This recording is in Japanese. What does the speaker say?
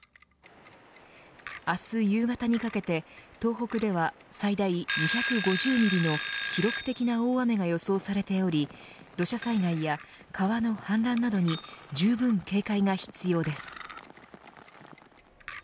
明日夕方にかけて東北では、最大２５０ミリの記録的な大雨が予想されており土砂災害や川の氾濫などにじゅうぶん警戒が必要です。